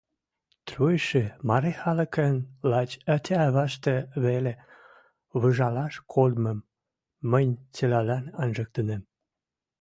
труйышы мары халыкын лач ӓтя-ӓвӓштӹ веле выжалаш кодмым мӹнь цилӓлӓн анжыктынем.